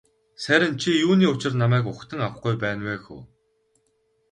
Сайран чи юуны учир намайг угтан авахгүй байна вэ хө.